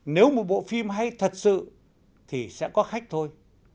nếu một bộ phim hay thật sự thì sẽ có khách thôi